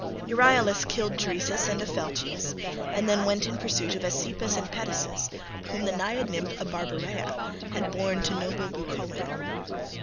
Euryalus killed Dresus and Opheltius, and then went in pursuit of Aesepus and Pedasus, whom the naiad nymph Abarbarea had borne to noble Bucolion.